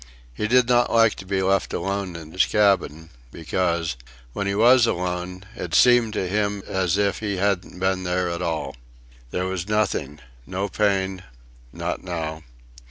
He did not like to be alone in his cabin, because, when he was alone, it seemed to him as if he hadn't been there at all. There was nothing. No pain. Not now.